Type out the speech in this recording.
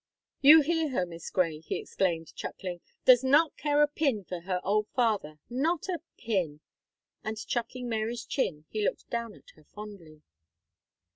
"You hear her, Miss Gray," he exclaimed, chuckling, "does not care a pin for her old father, not a pin," and chucking Mary's chin, he looked down at her fondly.